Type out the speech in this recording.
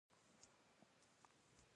دوی د استاد یوسفزي سالګرې ته راغلي وو.